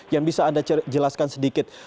yang bisa anda jelaskan sedikit